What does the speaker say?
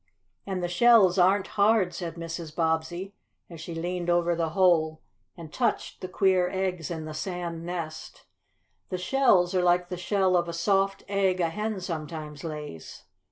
"And the shells aren't hard," said Mrs. Bobbsey, as she leaned over the hole and touched the queer eggs in the sand nest. "The shells are like the shell of a soft egg a hen sometimes lays."